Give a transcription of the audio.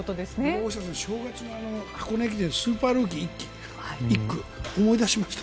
大下さん、正月の箱根駅伝１区、スーパールーキー思い出しました。